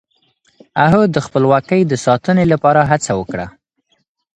هغه د خپلواکۍ د ساتنې لپاره هڅه وکړه.